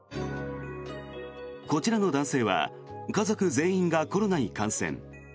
こちらの男性は家族全員がコロナに感染。